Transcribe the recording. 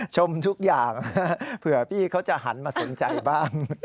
ชมทุกอย่างเผื่อพี่เขาจะหันมาสนใจบ้าง